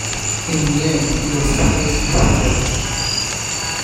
In the end it was Pearce who prevailed.